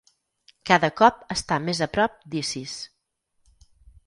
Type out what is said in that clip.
Cada cop està més a prop d'Isis.